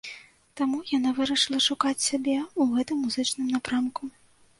Таму яна вырашыла шукаць сябе ў гэтым музычным напрамку.